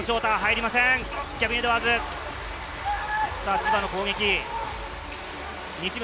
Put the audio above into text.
千葉の攻撃。